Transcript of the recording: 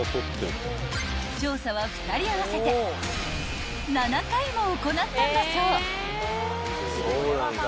［調査は２人合わせて７回も行ったんだそう］